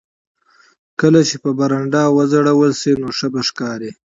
کله چې په برنډه وځړول شي نو ښه به ښکاري